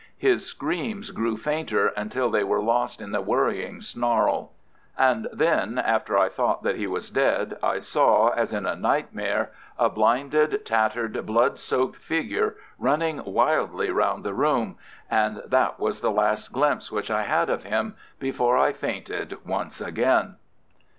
His screams grew fainter until they were lost in the worrying snarl. And then, after I thought that he was dead, I saw, as in a nightmare, a blinded, tattered, blood soaked figure running wildly round the room—and that was the last glimpse which I had of him before I fainted once again.